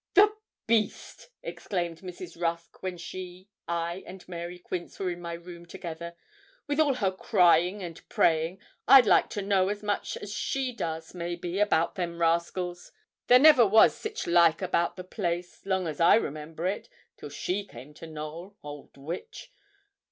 'The beast!' exclaimed Mrs. Rusk, when she, I, and Mary Quince were in my room together, 'with all her crying and praying, I'd like to know as much as she does, maybe, about them rascals. There never was sich like about the place, long as I remember it, till she came to Knowl, old witch!